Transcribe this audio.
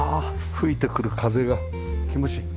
吹いてくる風が気持ちいい。